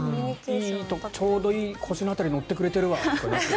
ちょうどいい、腰の辺りに乗ってくれてるわとか。